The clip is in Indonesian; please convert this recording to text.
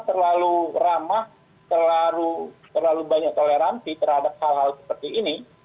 terlalu ramah terlalu banyak toleransi terhadap hal hal seperti ini